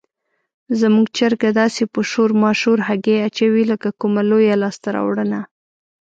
زموږ چرګه داسې په شور ماشور هګۍ اچوي لکه کومه لویه لاسته راوړنه.